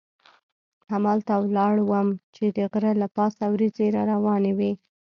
همالته ولاړ وم چې د غره له پاسه وریځې را روانې وې.